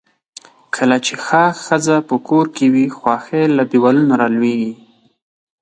کله چې ښه ښځۀ پۀ کور کې وي، خؤښي له دیوالونو را لؤیږي.